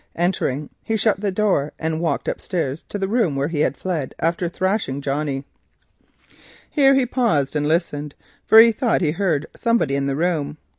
Entering, he shut the door and walked up the stairs to the room whence he had fled after thrashing Johnnie. Here he paused and listened, thinking that he heard somebody in the room.